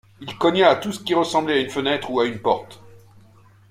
Il cogna à tout ce qui ressemblait à une fenêtre, ou à une porte.